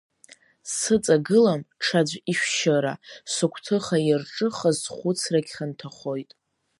Сыҵагылам ҽаӡә ишәшьыра, сыгәҭыха иарҿыхаз схәыцрагь хьанҭахоит…